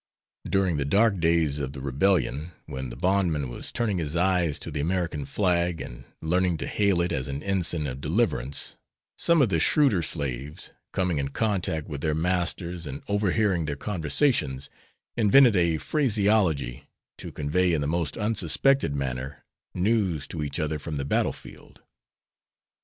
During the dark days of the Rebellion, when the bondman was turning his eyes to the American flag, and learning to hail it as an ensign of deliverance, some of the shrewder slaves, coming in contact with their masters and overhearing their conversations, invented a phraseology to convey in the most unsuspected manner news to each other from the battle field.